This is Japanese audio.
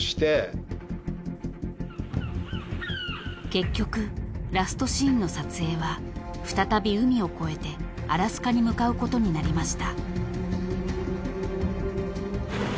［結局ラストシーンの撮影は再び海を越えてアラスカに向かうことになりました］